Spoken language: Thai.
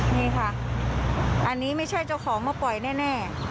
นี่ค่ะอันนี้ไม่ใช่เจ้าของมาปล่อยแน่